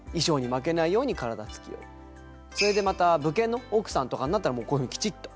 それでまた武家の奥さんとかになったらもうこういうふうにきちっと。